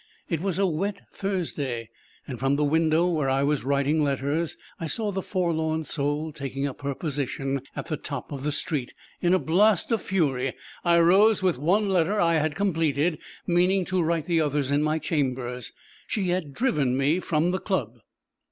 It was a wet Thursday, and from the window where I was writing letters I saw the forlorn soul taking up her position at the top of the street: in a blast of fury I rose with the one letter I had completed, meaning to write the others in my chambers. She had driven me from the club.